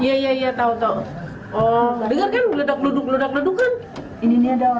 ini gue ada ada mobilnya mundur